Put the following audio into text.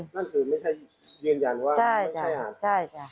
นั่นคือไม่ใช่ยืนยันว่าไม่ใช่อาหาร